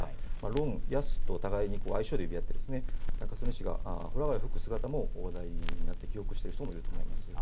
ロン、ヤスと互いに愛称で呼び合って、中曽根氏がほら貝を吹く姿も話題になったことを記憶している人も多いと思います。